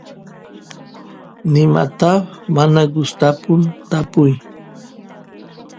nimatapas mana gustapun tapuy